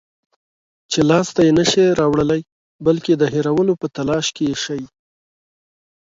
چې لاس ته یې نشی راوړلای، بلکې د هېرولو په تلاش کې شئ